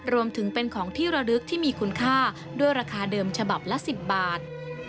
รวมถึงเป็นของที่ระลึกที่มีคุณค่าด้วยราคาเดิมฉบับละ๑๐บาท